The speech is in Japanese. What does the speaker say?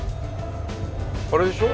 あれでしょ？